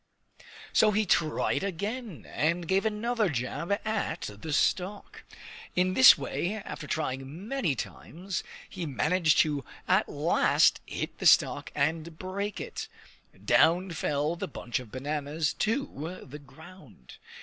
So he tried again, and gave another jab at the stalk. In this way, after trying many times, he managed at last to hit the stalk and break it. Down fell the bunch of bananas to the ground.